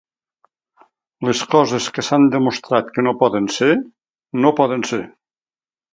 Les coses que s'han demostrat que no poden ser, no poden ser.